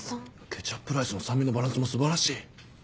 ケチャップライスの酸味のバランスも素晴らしい！